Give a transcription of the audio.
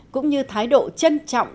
cũng như thái độ trân trọng